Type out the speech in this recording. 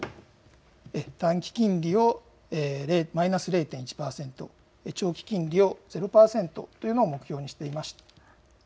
短期金利をマイナス０．１％、長期金利をゼロ％というのを目標にしています。